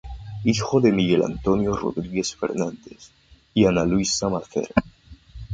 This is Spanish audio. Hijo de Miguel Antonio Rodríguez Fernández y Ana Luisa Mazer.